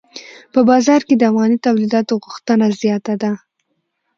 په بازار کې د افغاني تولیداتو غوښتنه زیاته ده.